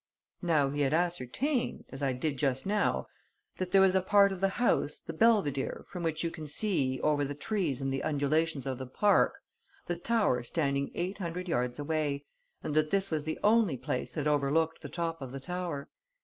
Now he had ascertained as I did just now that there was a part of the house, the belvedere, from which you can see, over the trees and the undulations of the park, the tower standing eight hundred yards away, and that this was the only place that overlooked the top of the tower.